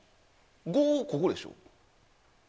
５はここでしょ。